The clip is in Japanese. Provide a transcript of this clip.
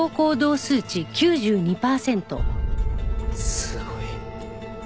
すごい。